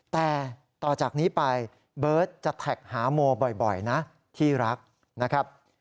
แต่ต่อจากนี้ไปเบิร์ตจะแท็กหาโมบ่อยนะที่รักนะครับ